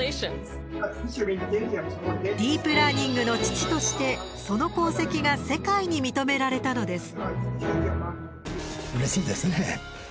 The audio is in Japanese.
ディープラーニングの父としてその功績が世界に認められたのです。